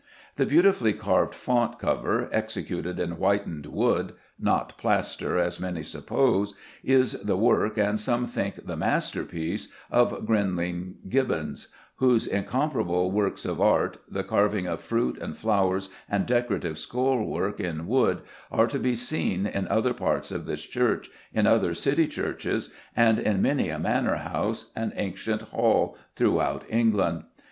The beautifully carved font cover, executed in whitened wood not plaster, as many suppose is the work, and some think the masterpiece, of Grinling Gibbons, whose incomparable works of art, the carving of fruit and flowers and decorative scroll work, in wood, are to be seen in other parts of this church, in other City churches, and in many a manor house and ancient hall throughout England.